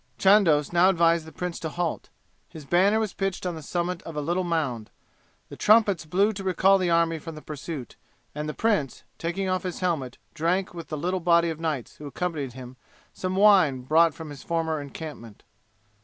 Chandos now advised the prince to halt. His banner was pitched on the summit of a little mound. The trumpets blew to recall the army from the pursuit, and the prince, taking off his helmet, drank with the little body of knights who accompanied him some wine brought from his former encampment.